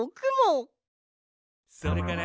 「それから」